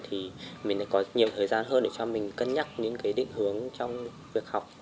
thì mình có nhiều thời gian hơn để cho mình cân nhắc những định hướng trong việc học